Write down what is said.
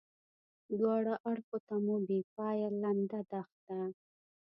دواړه اړخو ته مو بې پایې لنده دښته.